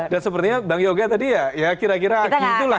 dan sepertinya bang yoga tadi ya kira kira gitu lah